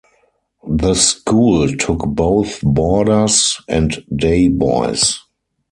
The school took both boarders and day boys.